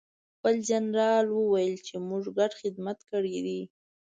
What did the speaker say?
بل جنرال وویل چې موږ ګډ خدمت کړی دی